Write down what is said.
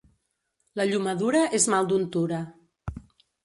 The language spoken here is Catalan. La llomadura és mal d'untura.